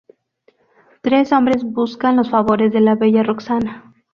Tres hombres buscan los favores de la bella Roxana.